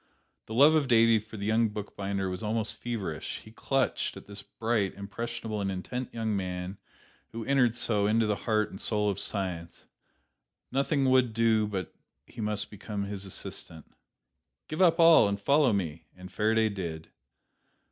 The love of Davy for the young bookbinder was almost feverish: he clutched at this bright, impressionable and intent young man who entered so into the heart and soul of science; nothing would do but he must become his assistant. "Give up all and follow me!" And Faraday did.